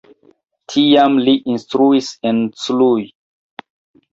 Tiam li instruis en Cluj.